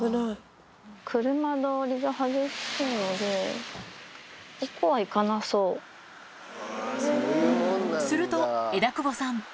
車通りが激しいので、すると、枝久保さん。